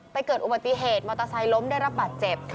เกิดอุบัติเหตุมอเตอร์ไซค์ล้มได้รับบาดเจ็บ